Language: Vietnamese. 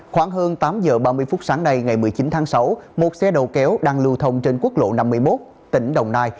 khoảng hơn tám giờ ba mươi phút sáng nay ngày một mươi chín tháng sáu một xe đầu kéo đang lưu thông trên quốc lộ năm mươi một tỉnh đồng nai